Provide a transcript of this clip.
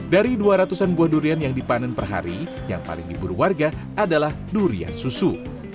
dari dua ratus an buah durian yang dipanen per hari yang paling diburu warga adalah durian susu